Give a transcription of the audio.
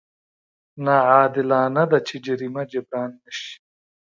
ناعادلانه څه جريمه جبران نه شي.